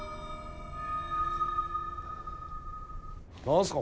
何すか？